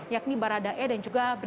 yakni baradae dan juga brigadir r